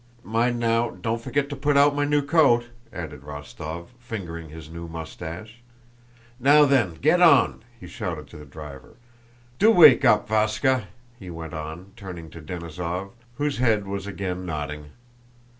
Mind now, don't forget to put out my new coat," added Rostóv, fingering his new mustache. "Now then, get on," he shouted to the driver. "Do wake up, Váska!" he went on, turning to Denísov, whose head was again nodding.